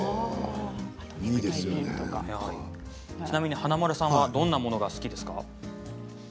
ちなみに華丸さんはどんなものが好きですか？